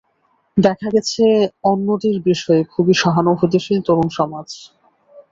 দেখা গেছে, অন্যদের বিষয়ে খুবই সহানুভূতিশীল তরুণ সমাজ।